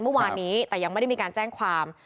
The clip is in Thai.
เมื่อวานนี้แต่ยังไม่ได้มีการแจ้งความ